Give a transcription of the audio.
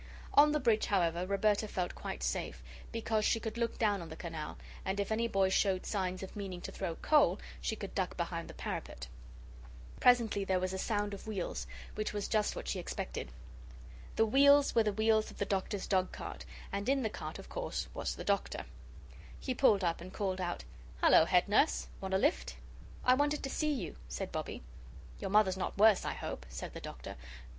On the bridge, however, Roberta felt quite safe, because she could look down on the canal, and if any boy showed signs of meaning to throw coal, she could duck behind the parapet. Presently there was a sound of wheels, which was just what she expected. The wheels were the wheels of the Doctor's dogcart, and in the cart, of course, was the Doctor. He pulled up, and called out: "Hullo, head nurse! Want a lift?" "I wanted to see you," said Bobbie. "Your mother's not worse, I hope?" said the Doctor.